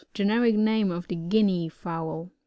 Gen eric name of the Guinea fowl.